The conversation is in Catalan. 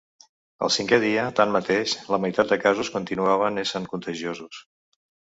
El cinquè dia, tanmateix, la meitat de casos continuaven essent contagiosos.